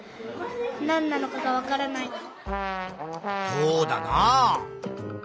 そうだなあ。